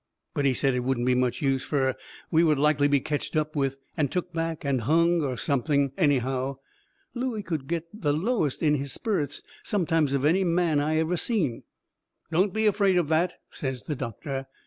But he said it wouldn't be much use, fur we would likely be ketched up with and took back and hung or something, anyhow. Looey could get the lowest in his sperrits sometimes of any man I ever seen. "Don't be afraid of that," says the doctor.